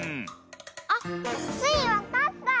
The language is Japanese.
あっスイわかった！